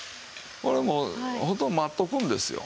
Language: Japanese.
これもうほとんど待っておくんですよ。